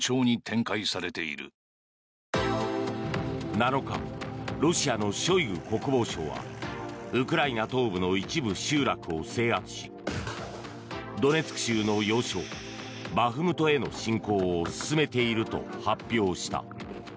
７日ロシアのショイグ国防相はウクライナ東部の一部集落を制圧しドネツク州の要衝バフムトへの侵攻を進めていると発表した。